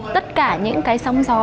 tất cả những cái sóng gió